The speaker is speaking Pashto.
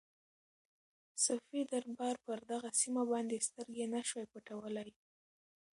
صفوي دربار پر دغه سیمه باندې سترګې نه شوای پټولای.